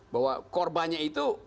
bahwa korbannya itu